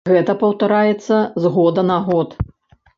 Гэта паўтараецца з года на год.